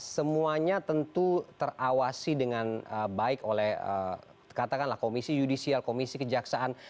semuanya tentu terawasi dengan baik oleh katakanlah komisi judisial komisi kejaksaan